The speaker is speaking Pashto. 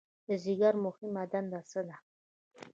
د ځیګر مهمه دنده څه ده؟